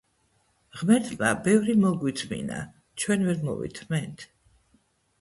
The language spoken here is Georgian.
ღმერთმა ბევრი მოგვითმინა ჩვენ ვერ მოვითმენთ?